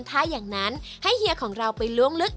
ถ้าอย่างนั้นให้เฮียของเราไปล้วงลึก